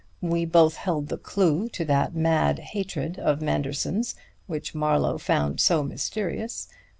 We both held the clue to that mad hatred of Manderson's which Marlowe found so mysterious.